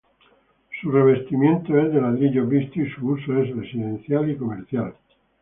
Su revestimiento es de ladrillos vistos y su uso es residencial y comercial.